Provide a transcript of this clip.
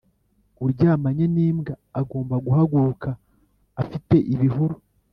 uryamanye n'imbwa agomba guhaguruka afite ibihuru.